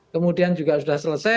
kemudian juga sudah selesai